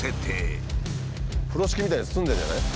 風呂敷みたいに包んじゃうんじゃない？